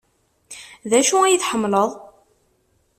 D acu ay tḥemmleḍ?